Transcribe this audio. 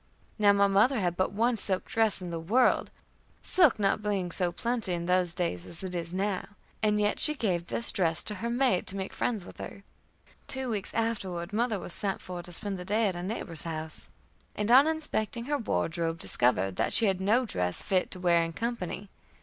Now my mother had but one silk dress in the world, silk not being so plenty in those days as it is now, and yet she gave this dress to her maid to make friends with her. Two weeks afterward mother was sent for to spend the day at a neighbor's house, and on inspecting her wardrobe, discovered that she had no dress fit to wear in company.